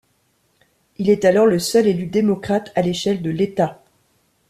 Il est alors le seul élu démocrate à l'échelle de l'État.